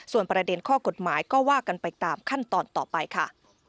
ส่วนประเด็นข้อกฎหมายก็ว่ากันไปตามขั้นตอนต่อไปค่ะ